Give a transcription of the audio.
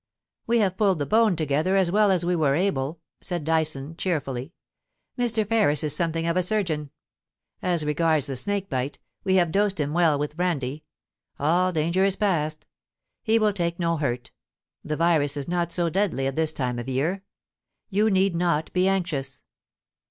* We have pulled the bone together as well as we were able,* said Dyson, cheerfully. * Mr. Ferris is something of a surgeon. As regards the snake bite, we have dosed him well with brandy. All danger is past He will take no hurt The virus is not so deadly at this time of year. You need not be anxious.'